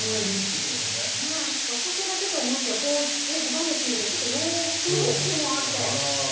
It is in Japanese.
和食だけと思いきや、こうね、小判めし見ると、ちょっと洋風もあって。